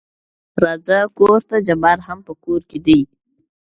راځه کورته جبار هم په کور کې دى.